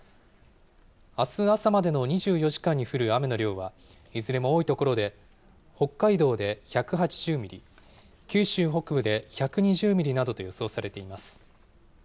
あす朝までの２４時間に降る雨の量は、いずれも多い所で、北海道で１８０ミリ、九州北部で１２０ミリなどと予想されています。